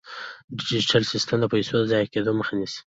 ډیجیټل سیستم د پيسو د ضایع کیدو مخه نیسي.